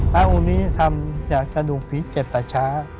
พระอุณิธรรมอยากจะดูผีเจ็บตัดช้า